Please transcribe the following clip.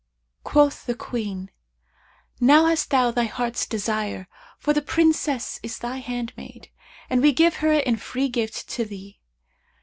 Quoth the Queen, 'Now hast thou thy heart's desire, for the Princess is thy handmaid, and we give her in free gift to thee.'